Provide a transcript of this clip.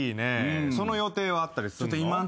その予定はあったりするの？